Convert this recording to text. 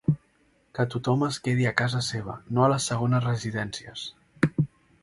Que tothom es quedi a casa seva, no a les segones residències.